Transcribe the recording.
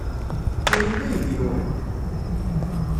Wihin d aydi-nwent?